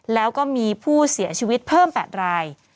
แล้วก็มีผู้เสียชีวิตเพิ่ม๘ราย